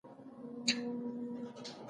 په تلیفوني خبرو کې یې استیضاح ته مستوزا وویل.